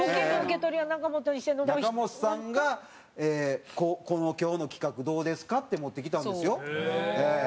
仲本さんがこの「今日の企画どうですか？」って持ってきたんですよ。